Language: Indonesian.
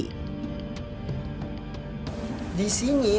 ketika kita menjelaskan kita tidak bisa menolak pasar